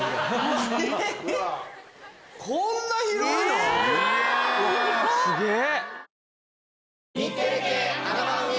こんな広いの⁉うわすげぇ！